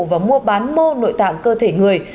và mua bán mô nội tạng cơ thể người